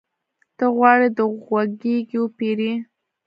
ته غواړې د غوږيکې وپېرې؟